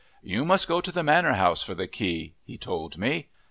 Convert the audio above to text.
"You must go to the manor house for the key," he told me.